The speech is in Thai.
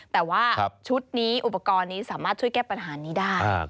แต่ว่าชุดนี้อุปกรณ์นี้สามารถช่วยแก้ปัญหานี้ได้